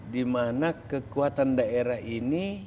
di mana kekuatan daerah ini